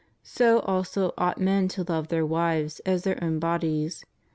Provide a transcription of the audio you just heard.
... So also ought men to love their wives as their own bodies.